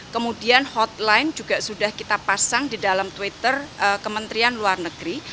kemudian hotline juga sudah kita pasang di dalam twitter kementerian luar negeri